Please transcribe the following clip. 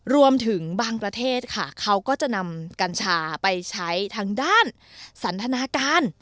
รวมถึงบางประเทศค่ะเขาก็จะนำกัญชาไปใช้ทางด้านสันทนาการ